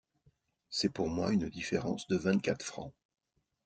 C’est pour moi une différence de vingt-quatre francs.